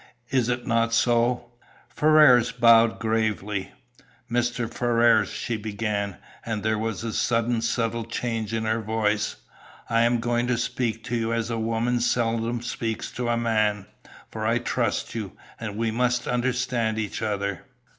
"Is it not so?" Ferrars bowed gravely. "Mr. Ferrars," she began, and there was a sudden subtle change in her voice. "I am going to speak to you as a woman seldom speaks to a man, for I trust you, and we must understand each other.